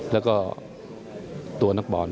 แล้วก็ตัวนักบอล